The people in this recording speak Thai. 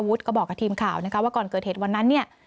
ก็บอกกับทีมข่าวนะคะว่าก่อนเกิดเหตุวันนั้นเนี่ย